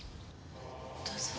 どうぞ。